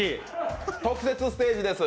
特設ステージです。